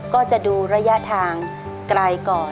ก็จะดูระยะทางไกลก่อน